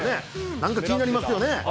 なんか気になりますよね。